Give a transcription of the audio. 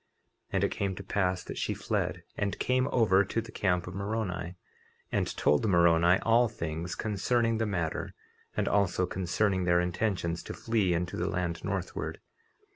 50:31 And it came to pass that she fled, and came over to the camp of Moroni, and told Moroni all things concerning the matter, and also concerning their intentions to flee into the land northward.